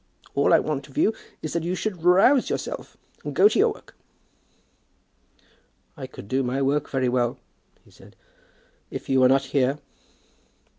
All I want of you is that you should arouse yourself, and go to your work." "I could do my work very well," he said, "if you were not here."